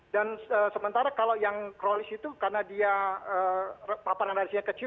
dan sementara kalau yang krolis itu karena dia paparan radiasinya kecil